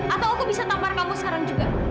atau aku bisa tampar kamu sekarang juga